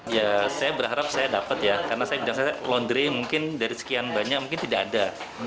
ya saya berharap saya dapat ya karena saya bilang saya laundry mungkin dari sekian banyak mungkin tidak ada